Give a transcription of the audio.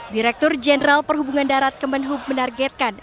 direktur jenderal perhubungan darat kemenhub menargetkan